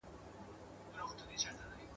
او د ده شپې به خالي له انګولا وي ,